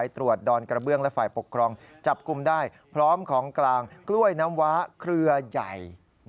ตรวจดอนกระเบื้องและฝ่ายปกครองจับกลุ่มได้พร้อมของกลางกล้วยน้ำว้าเครือใหญ่